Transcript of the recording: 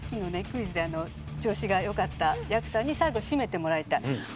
クイズで調子がよかったやくさんに最後締めてもらいたい。